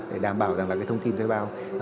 để đảm bảo rằng là cái thông tin thuê bao